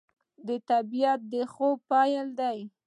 د طبیعت د خوب پیل دی